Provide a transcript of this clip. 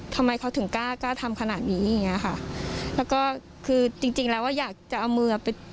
ทำไมเขาถึงกล้ากล้าทำขนาดนี้อย่างเงี้ยค่ะแล้วก็คือจริงจริงแล้วอ่ะอยากจะเอามือไป